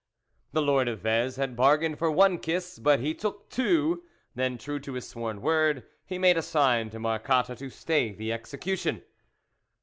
The Lord of Vez had bargained for one kiss, but he took two ; then, true to his sworn word, he made a sign to Marcotte to stay the execution.